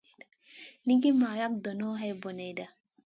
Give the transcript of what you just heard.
Nigi ma lak donoʼ hay boneyda.